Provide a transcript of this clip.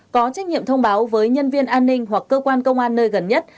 có trách nhiệm thông báo với nhân viên an ninh hoặc cơ quan công an nơi gần nhất